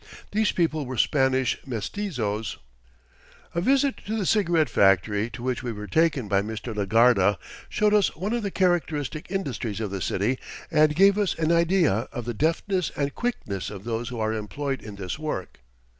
These people were Spanish mestizos. A visit to the cigarette factory to which we were taken by Mr. Legarda showed us one of the characteristic industries of the city and gave us an idea of the deftness and quickness of those who are employed in this work.